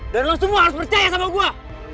dan lo semua harus percaya sama gue